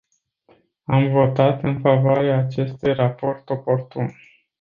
Am votat în favoarea acestui raport oportun.